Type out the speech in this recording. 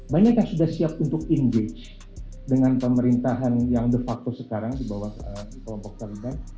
banyak yang sudah siap untuk engage dengan pemerintahan yang de facto sekarang di bawah kelompok terbang